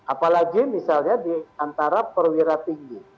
apalagi misalnya di antara perwira tinggi